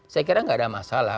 saya kira nggak ada masalah